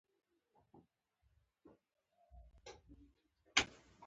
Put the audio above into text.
خو دا حالت ښايي تر موقتي وخته پورې وي